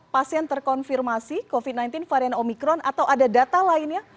pasien terkonfirmasi covid sembilan belas varian omikron atau ada data lainnya